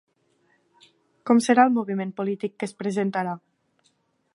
Com serà el moviment polític que es presentarà?